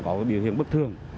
có biểu hiện bất thường